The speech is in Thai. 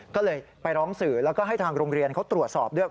ก็เลยไปร้องสื่อแล้วก็ให้ทางโรงเรียนเขาตรวจสอบด้วย